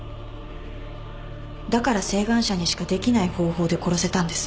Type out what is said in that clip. だから晴眼者にしかできない方法で殺せたんです。